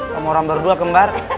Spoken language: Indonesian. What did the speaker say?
kamu orang berdua kembar